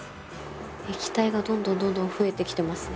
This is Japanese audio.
液体がどんどんどんどん増えてきてますね。